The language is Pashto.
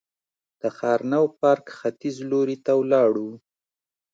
د ښارنو پارک ختیځ لوري ته ولاړو.